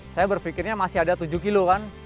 saya berpikirnya masih ada tujuh kilo kan